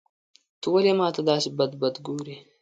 ته ولي ماته داسي بد بد ګورې.